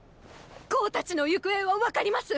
向たちの行方は分かります！